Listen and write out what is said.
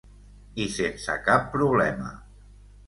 I sense cap problema.